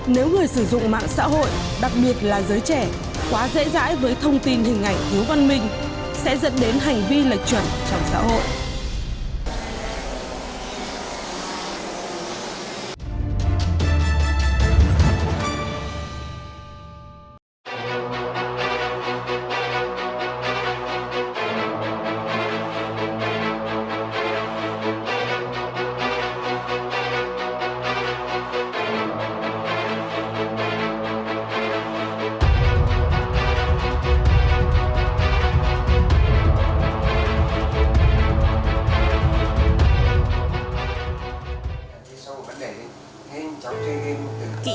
nếu người sử dụng mạng xã hội đặc biệt là giới trẻ quá dễ dãi với thông tin hình ảnh thiếu văn minh sẽ dẫn đến hành vi lệch chuẩn trong xã hội